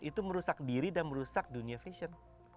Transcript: itu merusak diri dan merusak dunia fashion